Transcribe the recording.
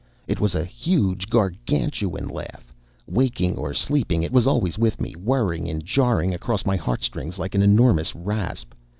It was a huge, Gargantuan laugh. Waking or sleeping it was always with me, whirring and jarring across my heart strings like an enormous rasp.